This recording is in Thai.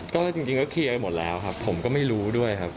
ก็จริงก็เคลียร์ไปหมดแล้วครับผมก็ไม่รู้ด้วยครับ